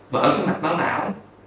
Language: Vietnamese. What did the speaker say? vỡ cái mặt máu não